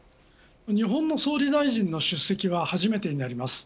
日本の総理大臣の出席は初めてになります。